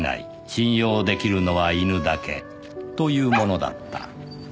信用出来るのは犬だけ」というものだった